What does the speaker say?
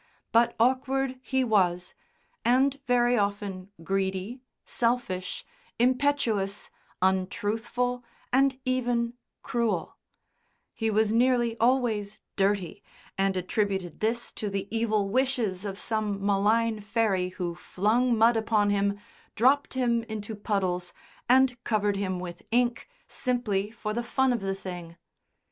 but awkward he was, and very often greedy, selfish, impetuous, untruthful and even cruel: he was nearly always dirty, and attributed this to the evil wishes of some malign fairy who flung mud upon him, dropped him into puddles and covered him with ink simply for the fun of the thing!